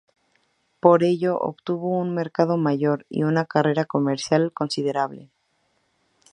Por ello obtuvo un mercado mayor y una carrera comercial considerable.